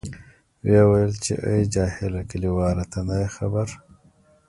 ویې ویل، چې آی جاهله کلیواله ته نه یې خبر.